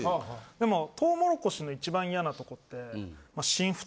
でもトウモロコシの一番イヤなとこって。